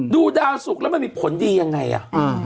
ดูดาวสุกแล้วมันมีผลดียังไงอ่ะ